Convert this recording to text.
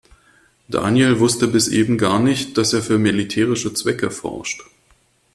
Daniel wusste bis eben gar nicht, dass er für militärische Zwecke forscht.